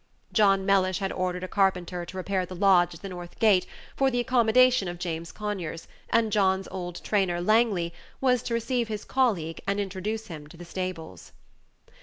John Mellish had ordered a carpenter to repair the lodge at the north gate for the accommodation of James Conyers, and John's old trainer, Langley, was to receive his colleague and introduce him to the stables.